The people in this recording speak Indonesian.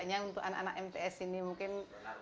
untuk anak anak mps ini mungkin